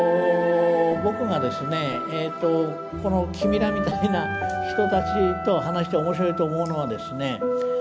この君らみたいな人たちと話して面白いと思うのはですね